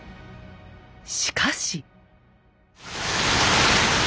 しかし。